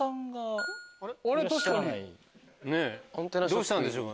どうしたんでしょうか？